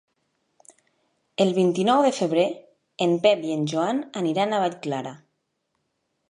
El vint-i-nou de febrer en Pep i en Joan aniran a Vallclara.